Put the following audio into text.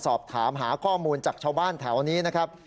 สอบถามหาข้อมูลจากชาวบ้านแถวนี้นะครับ